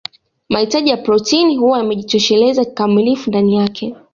Mahitaji ya protini huwa yamejitosheleza kikamilifu ndani yake